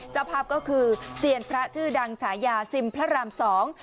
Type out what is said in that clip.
เจ้าภาพก็คือเซียนพระชื่อดังฉายาซิมพระรามสอง